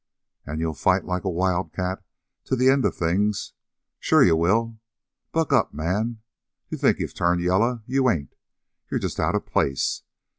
"And you'll fight like a wildcat to the end of things. Sure you will! Buck up, man! You think you've turned yaller. You ain't. You're just out of place.